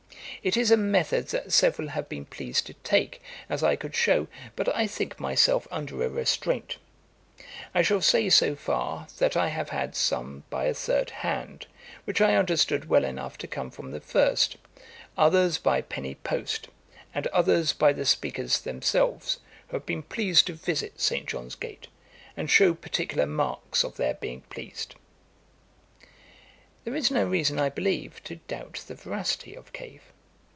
It is a method that several have been pleased to take, as I could show, but I think myself under a restraint. I shall say so far, that I have had some by a third hand, which I understood well enough to come from the first; others by penny post, and others by the speakers themselves, who have been pleased to visit St. John's Gate, and show particular marks of their being pleased.' [Page 152: Johnson's Parliamentary Debates. A.D. 1741.] There is no reason, I believe, to doubt the veracity of Cave.